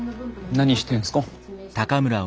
何してんすか？